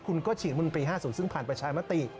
คุณก็ฉีกมนตรี๕๐ซึ่งผ่านประชามติ